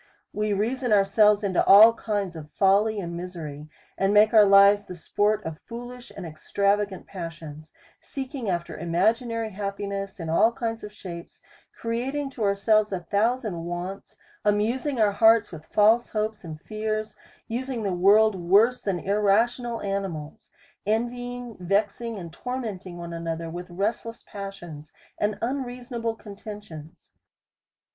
We reason ourselves into all kinds of folly and misery, and make our lives the sport of fool ish and extravagant passions : Seeking after imagi nary happiness in all kinds of shapes, creating to our selves a thousand wants, amusing our hearts with false hopes and fears, using the world worse than irrational animals, envying, vexing and tormenting one another with restless passions, and unreasonable contentions.